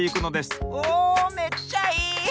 おめっちゃいい！